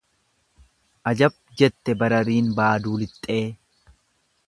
Ajab jette barariin baaduu lixxee.